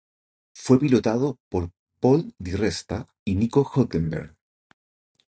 Fue pilotado por Paul di Resta y Nico Hülkenberg.